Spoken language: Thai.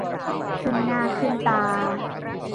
ขึ้นหน้าขึ้นตา